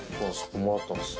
もらったんです。